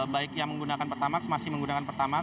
baik yang menggunakan pertamax masih menggunakan pertamax